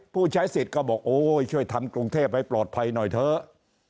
ผู้ใช้สิทธิ์ก็บอกโอ้ยช่วยทำกรุงเทพให้ปลอดภัยหน่อยเถอะ